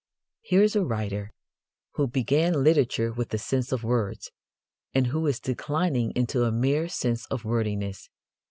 Here is a writer who began literature with a sense of words, and who is declining into a mere sense of wordiness.